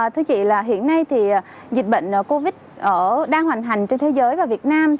thưa chị hiện nay dịch bệnh covid đang hoành hành trên thế giới và việt nam